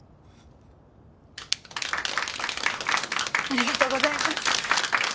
ありがとうございます。